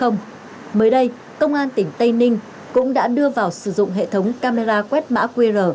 mới đây công an tỉnh tây ninh cũng đã đưa vào sử dụng hệ thống camera quét mã qr